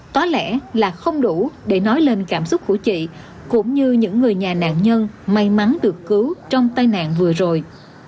có lẽ là không đủ để nói lên cảm xúc của chị cũng như những người nhà nạn nhân may mắn được cứu trong tai nạn vừa rồi